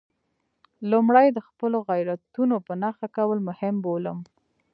لومړی د خپلو غیرتونو په نښه کول مهم بولم.